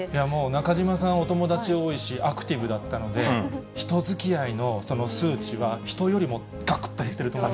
中島さん、お友達多いし、アクティブだったので、人づきあいの、その数値は人よりもがくっと減ってると思う。